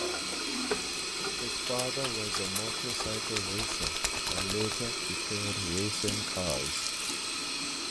His father was a motorcycle racer and later prepared racing cars.